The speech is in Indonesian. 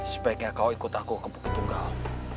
sebaiknya kau ikut aku ke bukit tunggal